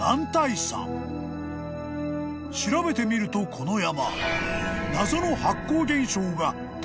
［調べてみるとこの山］